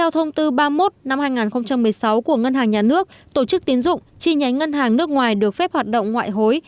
thông tư ba mươi một năm hai nghìn một mươi sáu của ngân hàng nhà nước tổ chức tiến dụng chi nhánh ngân hàng nước ngoài được phép hoạt động ngoại hối